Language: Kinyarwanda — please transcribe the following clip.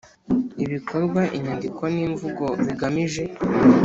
Ibikorwa inyandiko n imvugo bigamije